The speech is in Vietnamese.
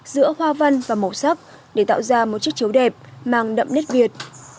giữa hoa văn và màu sắc để tạo ra một chiếc chấu đẹp mang đậm nét việt